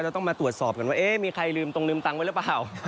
ต้องมาตรวจสอบกันว่าเอ๊ะมีใครลืมตรงลืมตังค์ไว้หรือเปล่า